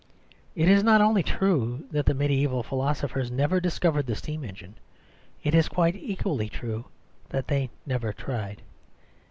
It is not only true that the mediæval philosophers never discovered the steam engine; it is quite equally true that they never tried.